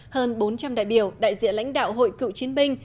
hơn bốn trăm linh đại biểu đại diện lãnh đạo hội cựu chiến binh